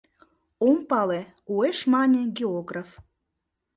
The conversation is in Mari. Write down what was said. — Ом пале, — уэш мане географ.